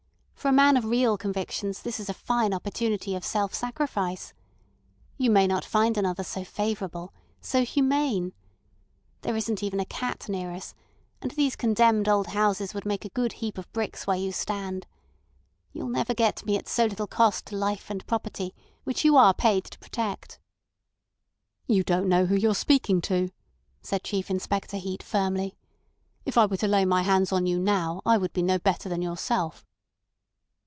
For a man of real convictions this is a fine opportunity of self sacrifice. You may not find another so favourable, so humane. There isn't even a cat near us, and these condemned old houses would make a good heap of bricks where you stand. You'll never get me at so little cost to life and property, which you are paid to protect." "You don't know who you're speaking to," said Chief Inspector Heat firmly. "If I were to lay my hands on you now I would be no better than yourself."